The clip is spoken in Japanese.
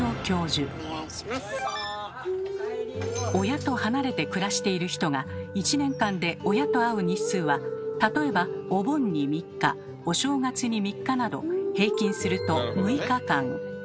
親と離れて暮らしている人が１年間で親と会う日数は例えばお盆に３日お正月に３日など平均すると６日間。